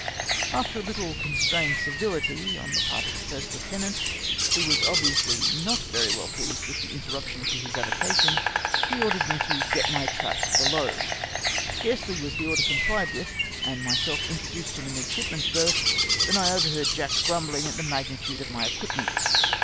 After a httle constrained civihty on the part of the first heutenant, who was evidently not very well pleased with the interruption to his avocation, he ordered me to " get my traps below." Scarcely was the order comphed with, and myself introduced to the midship man's berth, than I overheard Jack grumbling at the magnitude of my equipments.